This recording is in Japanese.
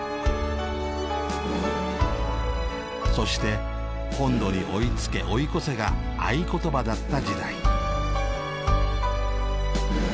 そして「本土に追いつけ追い越せ」が合言葉だった時代。